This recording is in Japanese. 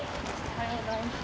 おはようございます。